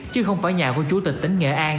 chứ không phải nhà của chủ tịch tỉnh nghệ an